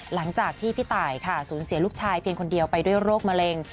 หลังจากที่พี่ตายค่ะสูญเสียลูกชายเพียงคนเดียวไปด้วยโรคมะเร็ง